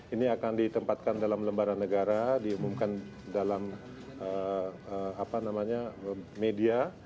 ini akan ditempatkan dalam lembaran negara diumumkan dalam media